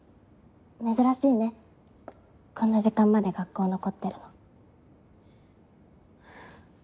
珍しいねこんな時間まで学校残ってるの。